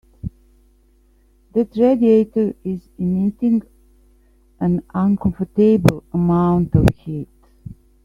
That radiator is emitting an uncomfortable amount of heat.